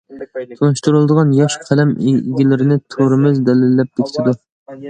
تونۇشتۇرۇلىدىغان ياش قەلەم ئىگىلىرىنى تورىمىز دەلىللەپ بېكىتىدۇ.